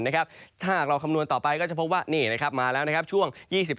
ถ้ากับเราคำนวณต่อไปก็จะพบว่านี่ร้อนมีช่วง